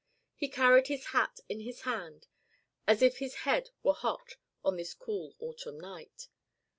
He carried his hat in his hand as if his head were hot on this cool autumn night.